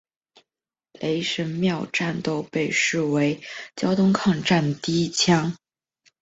雷神庙战斗被视为胶东抗战的第一枪。